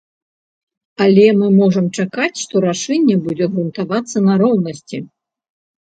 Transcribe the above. Але мы можам чакаць, што рашэнне будзе грунтавацца на роўнасці.